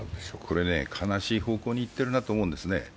これね、悲しい方向に行ってるなと思うんですね。